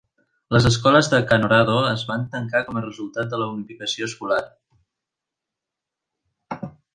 Les escoles de Kanorado es van tancar com a resultat de la unificació escolar.